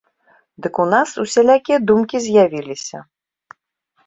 Дык у нас усялякія думкі з'явіліся.